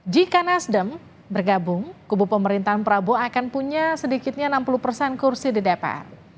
jika nasdem bergabung kubu pemerintahan prabowo akan punya sedikitnya enam puluh persen kursi di dpr